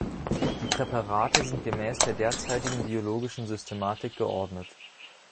Die Präparate sind gemäß der derzeitigen biologischen Systematik geordnet.